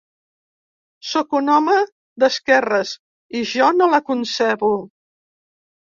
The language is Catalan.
Sóc un home d’esquerres i jo no la concebo.